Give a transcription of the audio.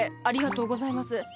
ありがとうございます。